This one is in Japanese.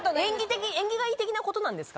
縁起がいい的なことなんですか？